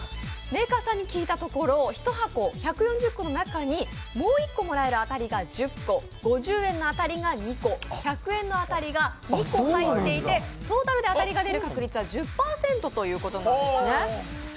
メーカーさんに聞いたところ、１箱１４０個の中にもう一個もらえる当たりが１０個、５０円の当たりが２個、１００円の当たりが２個入っていてトータルで当たりが出る確率は１０％ということなんですね。